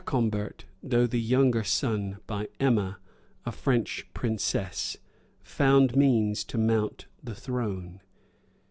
] Ercombert, though the younger son, by Emma, a French princess, found means to mount the throne.